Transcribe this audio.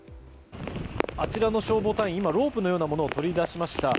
あちらの消防隊員ロープのようなものを取り出しました。